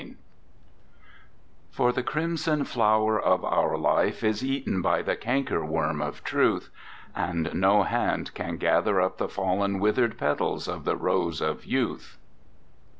III. For the crimson flower of our life is eaten by the cankerworm of truth. And no hand can gather up the fallen withered petals of the rose of youth.